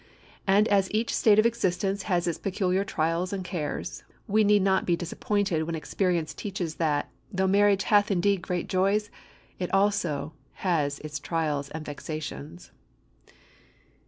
And as each state of existence has its peculiar trials and cares, we need not be disappointed when experience teaches that, though marriage hath indeed great joys, it has also its trials and vexations.